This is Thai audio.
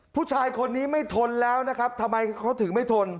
ผู้ชายคนนี้ไม่ทนแล้วนะครับทำไมเขาถึงไม่ทน